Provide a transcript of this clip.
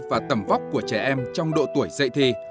và tầm vóc của trẻ em trong độ tuổi dậy thi